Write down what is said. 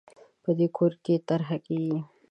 په دې کور کې طرحه کېږي